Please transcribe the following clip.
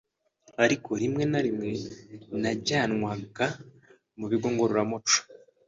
ariko rimwe na rimwe najyanwaga mu bigo ngororamuco